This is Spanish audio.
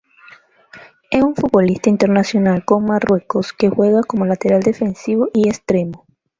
Es un futbolista internacional con Marruecos que juega como lateral defensivo y extremo.